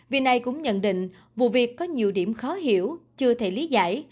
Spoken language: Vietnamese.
vì này cũng nhận định vụ việc có nhiều điểm khó hiểu chưa thể lý giải